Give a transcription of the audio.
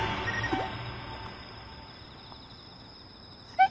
えっ。